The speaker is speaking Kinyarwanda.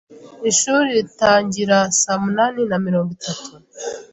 Ishuri ritangira saa munani na mirongo itatu?